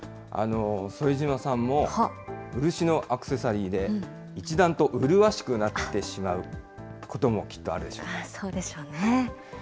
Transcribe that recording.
副島さんも、漆のアクセサリーで一段とうるわしくなってしまうこともきっとあそうでしょうね。